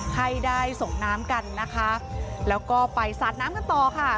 ให้ได้ส่งน้ำกันนะคะแล้วก็ไปสาดน้ำกันต่อค่ะ